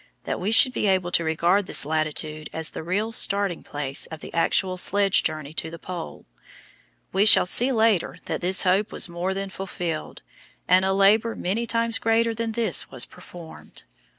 that we should be able to regard this latitude as the real starting place of the actual sledge journey to the Pole. We shall see later that this hope was more than fulfilled, and a labour many times greater than this was performed.